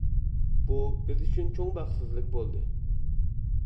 بۇ، بىز ئۈچۈن چوڭ بەختسىزلىك بولدى.